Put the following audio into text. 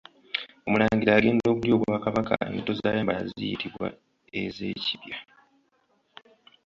Omulangira agenda okulya obwakabaka, engatto zaayambala ziyitibwa ez’ekibya.